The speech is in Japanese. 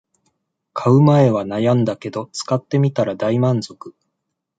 買う前は悩んだけど使ってみたら大満足